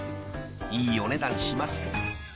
［いいお値段します］